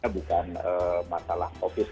bukan masalah covid sembilan belas